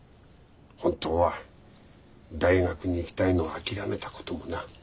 本当は大学に行きたいのを諦めたこともな。